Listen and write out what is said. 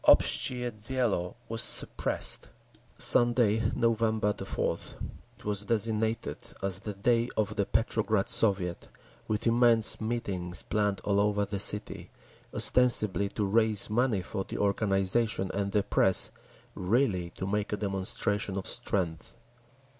Obshtchee Dielo was suppressed…. Sunday, November 4th, was designated as the Day of the Petrograd Soviet, with immense meetings planned all over the city, ostensibly to raise money for the organisation and the press; really, to make a demonstration of strength.